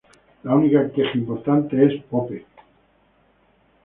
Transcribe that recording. La única queja importante es Pope.